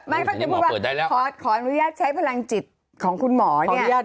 เขาจะพูดว่าขออนุญาตใช้พลังจิตของคุณหมอเนี่ย